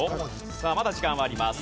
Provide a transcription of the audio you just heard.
さあまだ時間はあります。